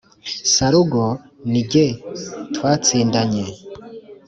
sarugo ni jye twatsindanye.